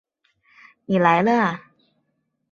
你来了啊